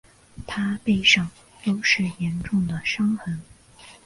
她背上都是严重的伤痕